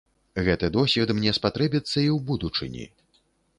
Гэты досвед мне спатрэбіцца і ў будучыні.